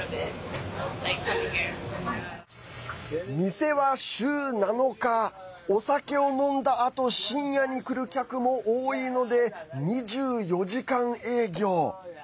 店は週７日お酒を飲んだあと深夜に来る客も多いので２４時間営業。